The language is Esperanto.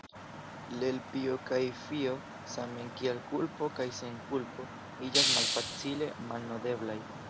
Iel pio kaj fio, same kiel kulpo kaj senkulpo, iĝas malfacile malnodeblaj.